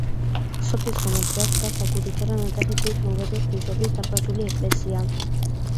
სოფლის განაპირას დგას აგურითა და ნატეხი ქვით ნაგები ღვთისმშობლის დარბაზული ეკლესია.